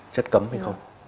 chất cấm hay không